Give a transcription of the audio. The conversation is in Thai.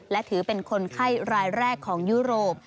และถือเป็นคนไข้รายแรกของยุโรป